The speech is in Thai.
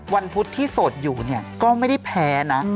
วันพุธที่โสดอยู่ก็ไม่ได้แพ้นะ